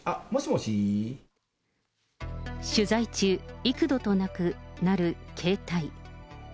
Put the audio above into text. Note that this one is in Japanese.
取材中、幾度となく鳴る携帯。